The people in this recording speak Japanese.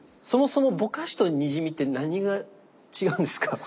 そもそもぼかしとにじみって何が違うんですか？